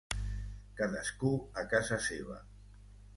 Cadascú a casa seva.